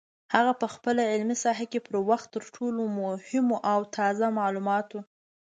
هغه په خپله علمي ساحه کې پر وخت تر ټولو مهمو او تازه معلوماتو